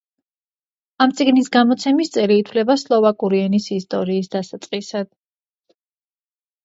ამ წიგნის გამოცემის წელი ითვლება სლოვაკური ენის ისტორიის დასაწყისად.